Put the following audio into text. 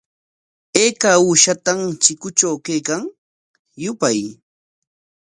¿Ayka uushata chikutraw kaykan? Yupay.